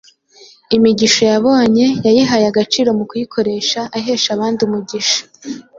Imigisha yabonye yayihaye agaciro mu kuyikoresha ahesha abandi umugisha.